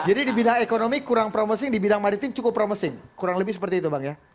jadi di bidang ekonomi kurang promising di bidang maritim cukup promising kurang lebih seperti itu bang ya